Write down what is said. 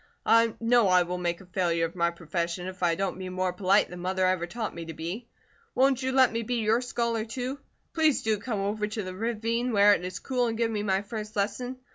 I know I will make a failure of my profession if I don't be more polite than Mother ever taught me to be. Won't you let me be your scholar, too? Please do come over to the ravine where it is cool and give me my first lesson.